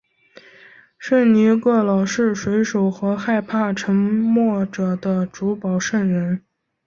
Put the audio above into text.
圣尼各老是水手和害怕沉没者的主保圣人。